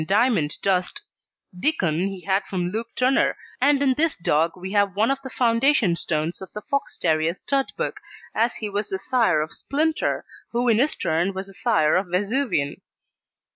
Diamond Dust; Dickon he had from Luke Turner, and in this dog we have one of the foundation stones of the Fox terrier stud book, as he was the sire of Splinter, who in his turn was the sire of Vesuvian.